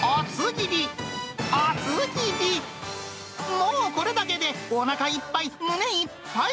もうこれだけでおなかいっぱい、胸いっぱい。